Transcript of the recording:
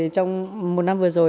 trong một năm vừa rồi